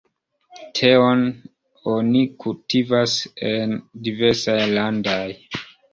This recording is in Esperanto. Teon oni kultivas en diversaj landaj.